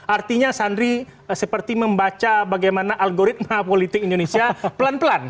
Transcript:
artinya sandi seperti membaca bagaimana algoritma politik indonesia pelan pelan